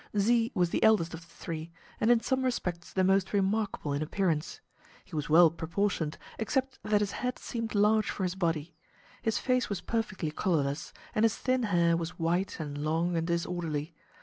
Z was the eldest of the three, and in some respects the most remarkable in appearance. He was well proportioned, except that his head seemed large for his body. His face was perfectly colorless, and his thin hair was white and long and disorderly.